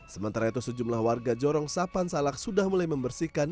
sementara itu sejumlah warga jorong sapan salak sudah mulai membersihkan